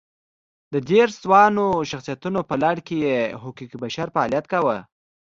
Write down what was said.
د دېرش ځوانو شخصیتونو په لړ کې یې حقوق بشر فعالیت کاوه.